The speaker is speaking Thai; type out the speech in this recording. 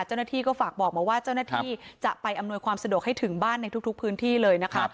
เจ้าหน้าที่ก็ฝากบอกมาว่าเจ้าหน้าที่จะไปอำนวยความสะดวกให้ถึงบ้านในทุกพื้นที่เลยนะคะ